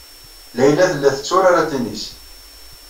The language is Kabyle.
Layla tella tetturar atinis.